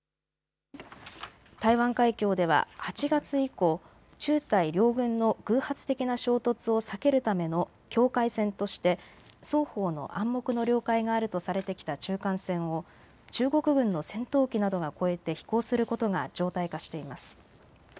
台湾海峡では８月以降、中台両軍の偶発的な衝突を避けるための境界線として双方の暗黙の了解があるとされてきた中間線を中国軍の戦闘機などが越えて飛行することが常態化しています。